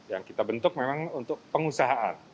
yang kita bentuk memang untuk pengusahaan